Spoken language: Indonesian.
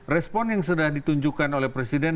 respon yang sudah ditunjukkan oleh presiden